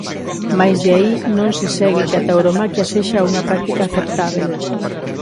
Mais de aí non se segue que a tauromaquia sexa unha práctica aceptábel.